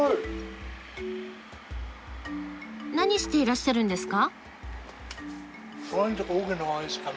何していらっしゃるんですか？